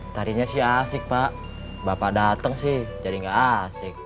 tadinya sih asik pak bapak datang sih jadi gak asik